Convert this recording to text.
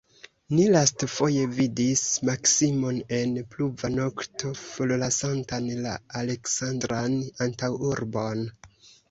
Ni lastfoje vidis Maksimon en pluva nokto forlasantan la Aleksandran antaŭurbon.